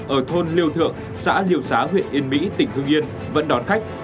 ở thôn liêu thượng xã liêu xá huyện yên mỹ tỉnh hương yên vẫn đón khách